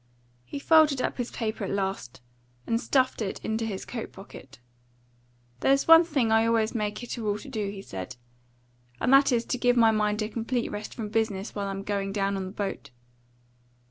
He folded up his paper at last, and stuffed it into his coat pocket. "There's one thing I always make it a rule to do," he said, "and that is to give my mind a complete rest from business while I'm going down on the boat.